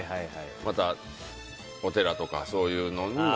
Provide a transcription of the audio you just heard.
また、お寺とかそういうのも。